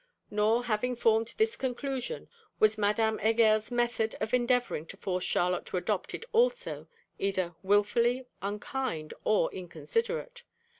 Nor, having formed this conclusion, was Madame Heger's method of endeavouring to force Charlotte to adopt it also, either wilfully unkind or inconsiderate.